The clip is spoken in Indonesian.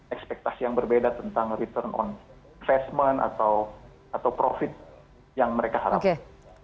ekspektasi yang berbeda tentang return on investment atau profit yang mereka harapkan